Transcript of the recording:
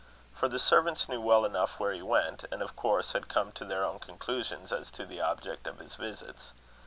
For the servants knew well enough where he went, and of course had come to their own conclusions as to the object of his visits.